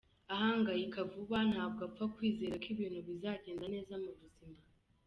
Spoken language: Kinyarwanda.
Ahangayika vuba, ntabwo apfa kwizera ko ibintu bizagenda neza mu buzima.